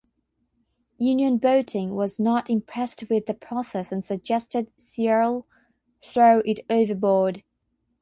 Union Boating was not impressed with the process and suggested Searle throw it overboard.